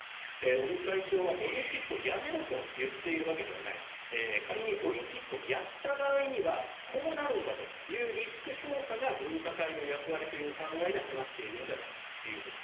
尾身会長はオリンピックをやめろと言っているわけではない仮にオリンピックをやった場合にはこうなるんだというリスク評価が分科会の役割という考えで話しているんじゃないかということです。